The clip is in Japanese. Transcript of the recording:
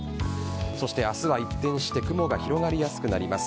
そして明日は一転して雲が広がりやすくなります。